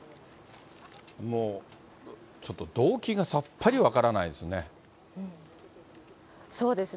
もうちょっと動機がさっぱり分からないですね。